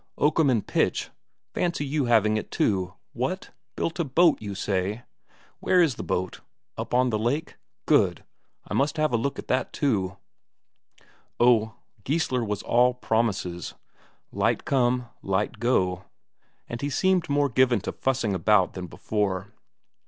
Oakum and pitch fancy you having it too! What? Built a boat, you say? Where is the boat? Up in the lake? Good! I must have a look at that too." Oh, Geissler was all promises. Light come, light go and he seemed more giving to fussing about than before.